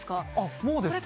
もうですか？